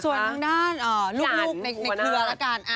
ส่วนทางด้านลูกในเครือแล้วกัน